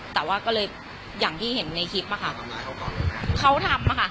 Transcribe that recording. แต่ว่าก็เลยอย่างที่เห็นในคลิปอะค่ะเขาทำมาค่ะ